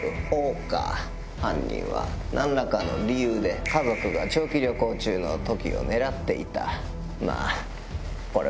犯人は何らかの理由で家族が長期旅行中の時を狙っていた。